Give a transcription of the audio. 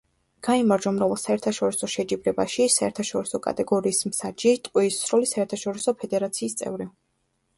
გაიმარჯვა მრავალ საერთაშორისო შეჯიბრებაში, საერთაშორისო კატეგორიის მსაჯი, ტყვიის სროლის საერთაშორისო ფედერაციის წევრი.